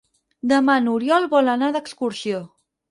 Demà n'Oriol vol anar d'excursió.